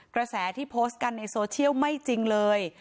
กระแสที่โพสต์กันในโซเชียลไม่จริงเลย